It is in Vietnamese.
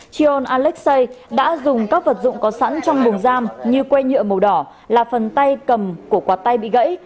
trion alexei đã dùng các vật dụng có sẵn trong bùng giam như quay nhựa màu đỏ là phần tay cầm của quạt tay bị gãy